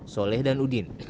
soleh dan udin